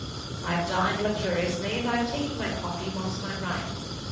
I have dined luxuriously, and I am taking my coffee whilst I write.